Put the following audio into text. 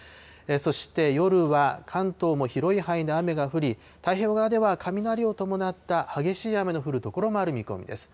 そして夜は、関東も広い範囲で雨が降り、太平洋側では雷を伴った激しい雨の降る所もある見込みです。